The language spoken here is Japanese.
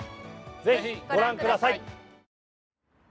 ぜひ、ご覧ください。